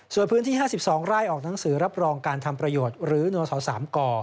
ส่วนพื้นที่๕๒ไร่ออกหนังสือรับรองการทำประโยชน์หรือนศ๓ก